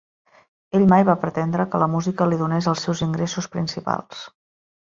Ell mai va pretendre que la música li donés els seus ingressos principals.